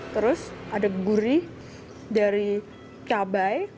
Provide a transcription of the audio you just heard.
terus ada gurih dari cabai